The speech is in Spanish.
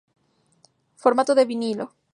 Formato de Vinilo